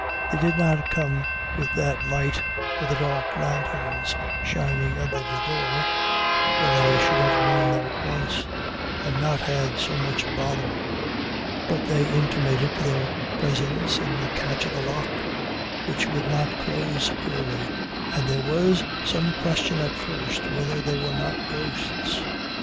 They did not come with that light of the dark lanterns shining under the door, or I should have known them at once, and not had so much bother; but they intimated their presence in the catch of the lock, which would not close securely, and there was some question at first whether they were not ghosts.